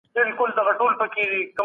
صبر د عقل ملګری دی